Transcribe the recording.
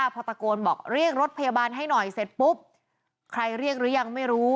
พยาบาลให้หน่อยเสร็จปุ๊บใครเรียกหรือยังไม่รู้